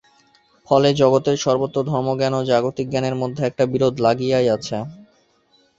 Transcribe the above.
ফলে জগতের সর্বত্র ধর্মজ্ঞান ও জাগতিক জ্ঞানের মধ্যে একটা বিরোধ লাগিয়াই আছে।